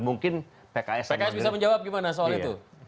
mungkin pks bisa menjawab gimana soal itu